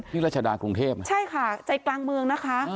รัชดากรุงเทพนะใช่ค่ะใจกลางเมืองนะคะ